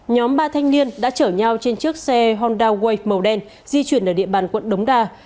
nhóm ba thanh niên đã chở nhau trên chiếc xe honda way màu đen di chuyển ở địa bàn quận đống đa